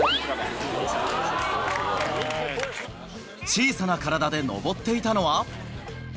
小さな体で登っていたのは。